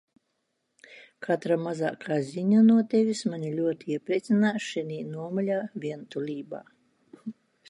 Katra mazākā ziņa no Tevis mani ļoti iepriecinās šinī nomaļā vientulībā.